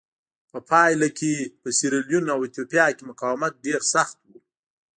په پایله کې په سیریلیون او ایتوپیا کې مقاومت ډېر سخت و.